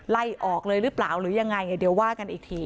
ไล่ออกเลยหรือเปล่าหรือยังไงเดี๋ยวว่ากันอีกที